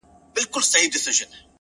زما په ژوند کي يې زما رگونه ټول وزبېښل!!